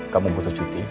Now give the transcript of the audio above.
kamu butuh cuti